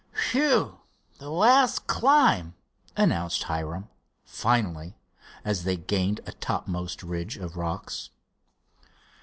"Whew! the last climb," announced Hiram, finally, as they gained a topmost ridge of rocks.